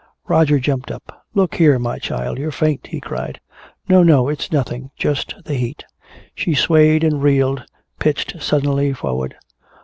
Roger jumped up. "Look here, my child, you're faint!" he cried. "No, no, it's nothing! Just the heat!" She swayed and reeled, pitched suddenly forward.